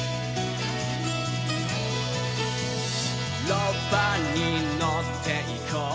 「ロバに乗って行こう」